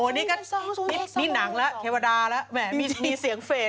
สิ่งนี้หนังแล้วเควดานี้ละมีเสียงเฟส